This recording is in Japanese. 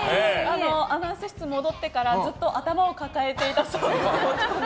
アナウンス室に戻ってからずっと頭を抱えていたそうです。